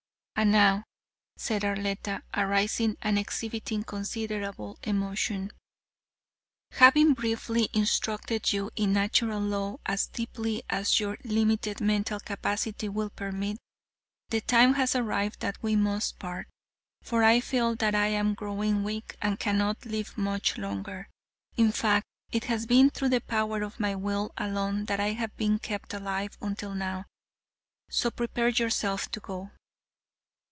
And now," said Arletta, arising and exhibiting considerable emotion, "having briefly instructed you in Natural Law as deeply as your limited mental capacity will permit, the time has arrived that we must part, for I feel that I am growing weak and cannot live much longer. In fact, it has been through the power of my will alone that I have been kept alive until now. So prepare yourself to go."